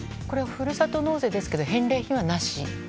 これはふるさと納税ということですが返礼品は、なし？